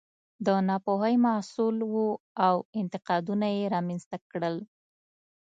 د ناپوهۍ محصول و او انتقامونه یې رامنځته کړل.